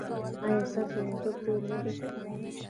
ایا ستاسو موټر جوړ نه دی؟